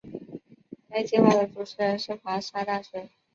该计画的主持人是华沙大学的。